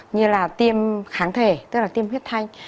như là tiêm kháng thể tức là tiêm huyết thanh